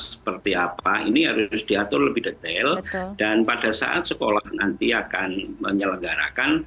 seperti apa ini harus diatur lebih detail dan pada saat sekolah nanti akan menyelenggarakan